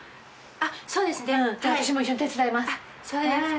あっそうですか。